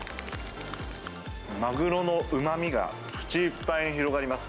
マグロのうまみが口いっぱいに広がります。